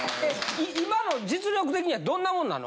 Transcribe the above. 今の実力的にはどんなもんなの？